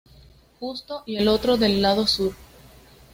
Justo y el otro del lado sur.